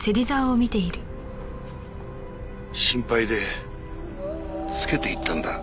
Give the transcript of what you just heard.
心配でつけて行ったんだ。